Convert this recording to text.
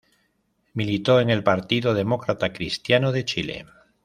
Militó en el Partido Demócrata Cristiano de Chile.